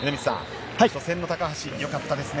初戦の高橋、よかったですね。